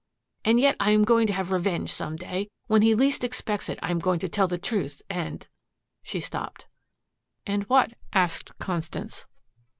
And yet I am going to have revenge some day. When he least expects it I am going to tell the truth and " She stopped. "And what?" asked Constance.